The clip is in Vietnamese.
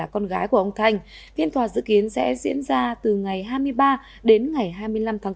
con gái của ông thanh phiên tòa dự kiến sẽ diễn ra từ ngày hai mươi ba đến ngày hai mươi năm tháng bốn